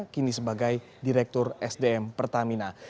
kini sebagai direktur sdm pertamina